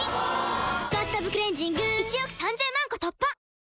「バスタブクレンジング」１億３０００万個突破！